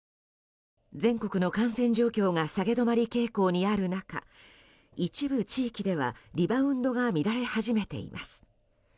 全国の感染状況が下げ止まり傾向にある中一部地域では、リバウンドが見られ始めています。